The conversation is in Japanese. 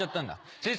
先生。